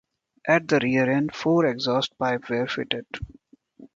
At the rear end, four exhaust pipes were fitted.